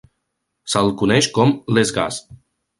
S'el coneix com Les Gaz!